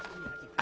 あ？